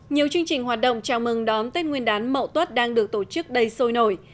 nhiều chương trình hoạt động chào mừng đón tết nguyên đán mậu tuất đang được tổ chức đầy sôi nổi